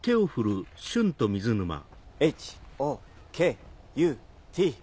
Ｈ・Ｏ・Ｋ・Ｕ・Ｔ。